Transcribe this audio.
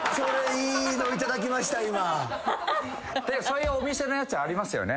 そういうお店のやつありますよね。